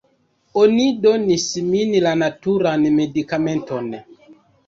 Oni donis min la naturan medikamenton